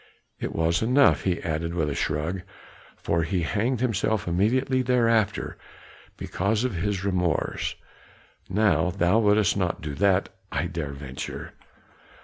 It was enough," he added with a shrug, "for he hanged himself immediately thereafter because of his remorse. Now thou wouldst not do that, I dare venture?"